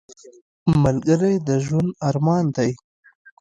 ملګری د ژوند ارمان دی